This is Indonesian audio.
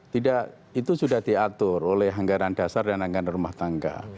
tidak itu sudah diatur oleh anggaran dasar dan anggaran rumah tangga